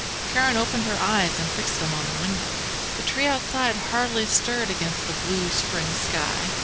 Karen opened her eyes and fixed them on the window. The tree outside hardly stirred against the blue spring sky.